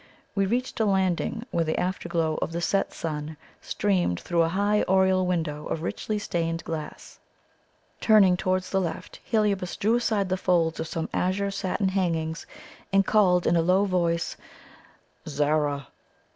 We reached a landing where the afterglow of the set sun streamed through a high oriel window of richly stained glass. Turning towards the left, Heliobas drew aside the folds of some azure satin hangings, and calling in a low voice "Zara!"